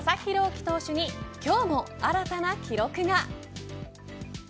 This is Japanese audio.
希投手に今日も新たな記録が。